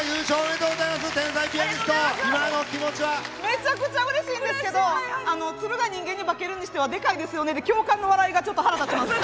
めちゃくちゃうれしいんですけど「鶴が人間に化けるにしてはデカいですよね」で共感の笑いがちょっと腹立ちます。